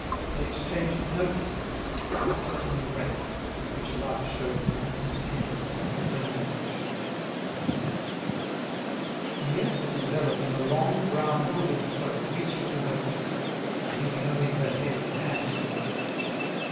They exchanged no kisses, naught but an embrace in which love showed the innocent tenderness of fraternal affection. Miette was enveloped in a long brown hooded cloak reaching to her feet, and leaving only her head and hands visible.